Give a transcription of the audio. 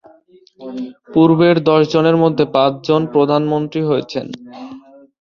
পূর্বের দশজনের মধ্যে পাঁচজন প্রধানমন্ত্রী হয়েছেন।